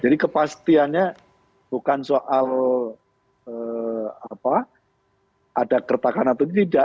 jadi kepastiannya bukan soal apa ada kertakan atau tidak